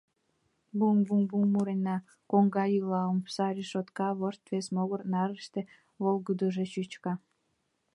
Буҥ-буҥ-буҥ мурен, коҥга йӱла, омса решотка вошт вес могыр нарыште волгыдыжо чӱчка.